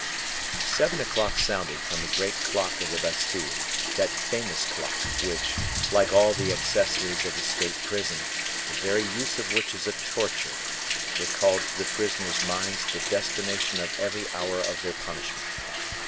Seven o'clock sounded from the great clock of the Bastile, that famous clock, which, like all the accessories of the state prison, the very use of which is a torture, recalled to the prisoners' minds the destination of every hour of their punishment.